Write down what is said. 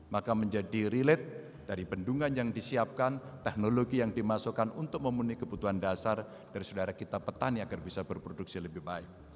maka menjadi relate dari bendungan yang disiapkan teknologi yang dimasukkan untuk memenuhi kebutuhan dasar dari saudara kita petani agar bisa berproduksi lebih baik